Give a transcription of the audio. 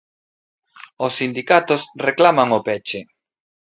Os sindicatos reclaman o peche.